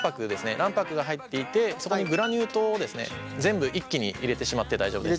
卵白が入っていてそこにグラニュー糖をですね全部一気に入れてしまって大丈夫です。